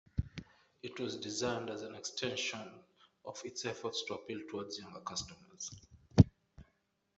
It was designed as an extension of its efforts to appeal towards younger customers.